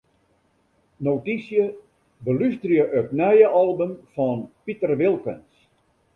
Notysje: Belústerje it nije album fan Piter Wilkens.